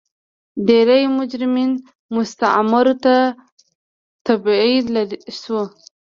ډېری مجرمین مستعمرو ته تبعید شول.